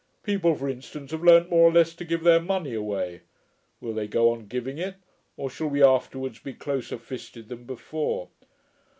People, for instance, have learnt more or less to give their money away: will they go on giving it, or shall we afterwards be closer fisted than before?'